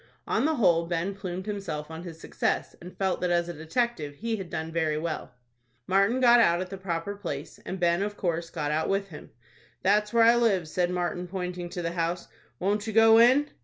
On the whole, Ben plumed himself on his success, and felt that as a detective he had done very well. Martin got out at the proper place, and Ben of course got out with him. "That's where I live," said Martin, pointing to the house. "Won't you go in?"